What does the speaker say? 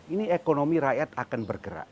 ini ekonomi rakyat akan bergerak